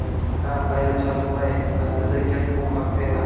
Hay, mayli chalg`imay, aslida, gap bu haqda emas